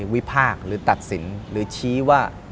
วิพากษ์หรือตัดสินหรือชี้ว่า